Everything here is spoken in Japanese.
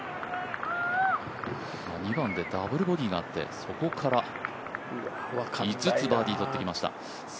２番でダブルボギーがあってそこから５つバーディーを取ってきました。